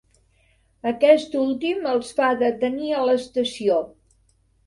Aquest últim els fa detenir a l'estació.